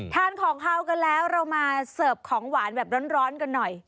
ทานของขาวกันแล้วเรามาเสิร์ฟของหวานแบบร้อนกันหน่อย